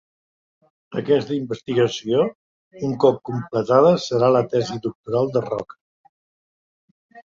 Aquesta investigació, un cop completada, serà la tesi doctoral de Roca.